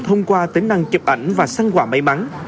thông qua tính năng chụp ảnh và săn quả máy bắn